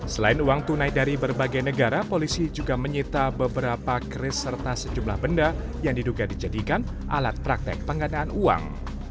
selain uang tunai dari berbagai negara polisi juga menyita beberapa kris serta sejumlah benda yang diduga dijadikan alat praktek penggandaan uang